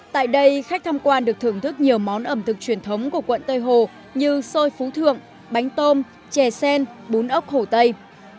tại đây khách tham quan được thưởng thức nhiều món ẩm thực truyền thống của quận tây hồ như xôi phú thượng bánh tôm chè sen bún ốc hồ tây